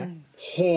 ほう。